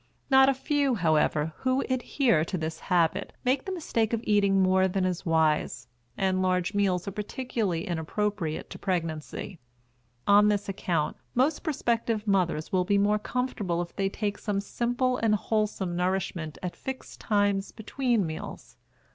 Not a few, however, who adhere to this habit make the mistake of eating more than is wise; and large meals are particularly inappropriate to pregnancy. On this account most prospective mothers will be more comfortable if they take some simple and wholesome nourishment at fixed times between meals.